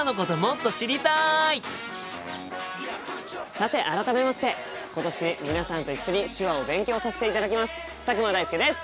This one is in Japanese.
さて改めまして今年皆さんと一緒に手話を勉強させていただきます佐久間大介です！